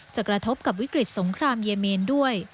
กระทบกับวิกฤตสงครามเยเมนด้วย